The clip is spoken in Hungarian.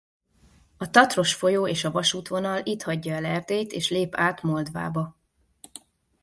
A Tatros folyó és a vasútvonal itt hagyja el Erdélyt és lép át Moldvába.